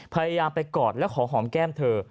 พยายามไปกอดและขอหอมแก้มเธอ